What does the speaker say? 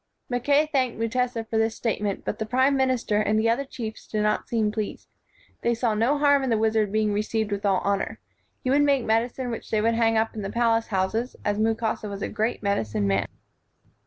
Mackay thanked Mutesa for this state ment, but the prime minister and other chiefs did not seem pleased. They saw no harm in the wizard being received with all honor. He would make medicine which they would hang up in the palace houses, as Mukasa was a great medicine man.